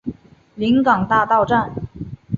临港大道站